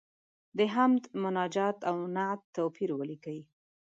د حمد، مناجات او نعت توپیر ولیکئ.